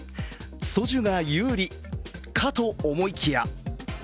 ソジュが有利かと思いきや。